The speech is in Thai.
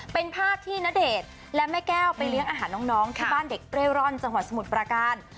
เป็นภาพที่ณเดชน์และแม่แก้วไปเลี้ยงอาหารน้องที่บ้านเด็กเร่ร่อนจังหวัดสมุทรประการ